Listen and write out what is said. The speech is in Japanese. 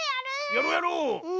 やろうやろう！